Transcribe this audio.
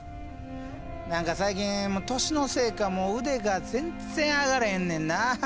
何か最近年のせいか腕が全然上がらへんねんな。